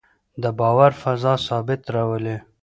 د باور فضا ثبات راولي